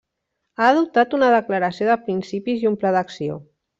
Ha adoptat una Declaració de principis i un Pla d'Acció.